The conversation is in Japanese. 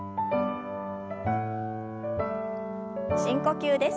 深呼吸です。